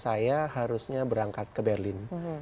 saya harusnya berangkat ke berlin